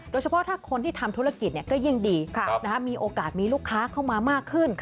โดยเฉพาะถ้าคนที่ทำธุรกิจก็ยิ่งดีมีโอกาสมีลูกค้าเข้ามามากขึ้น